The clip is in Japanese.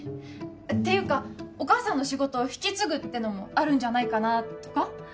っていうかお母さんの仕事を引き継ぐってのもあるんじゃないかなとか